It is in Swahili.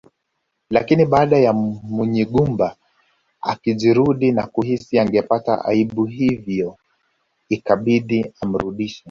Lakini baadaye Munyigumba akajirudi kwa kuhisi angepata aibu hivyo ikabidi amrudishe